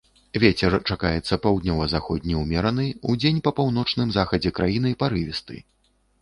Вецер чакаецца паўднёва-заходні ўмераны, удзень па паўночным захадзе краіны парывісты.